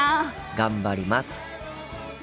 頑張ります。